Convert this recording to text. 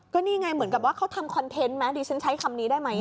ก็นี่ไงเหมือนกับว่าเขาทำคอนเทนต์ไหมดิฉันใช้คำนี้ได้ไหม